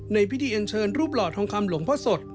ในพิธีอันเชิญรูปหล่อทองคำหลวงพ่อสด